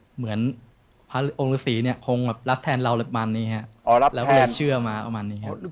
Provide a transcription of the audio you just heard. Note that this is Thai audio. เหมือนพระองค์ฤษีคงรับแทนเราแบบนี้ครับแล้วเขาเลยเชื่อมาประมาณนี้ครับ